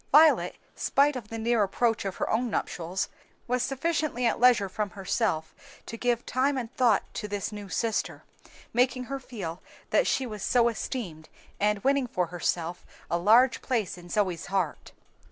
Violet, spite of the near approach of her own nuptials, was sufficiently at leisure from herself to give time and thought to this new sister, making her feel that she was so esteemed, and winning for herself a large place in Zoe's heart.